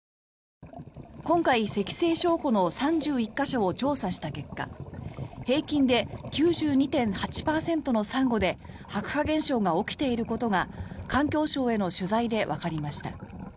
今回、石西礁湖の３１か所を調査した結果平均で９２．８％のサンゴで白化現象が起きていることが環境省への取材でわかりました。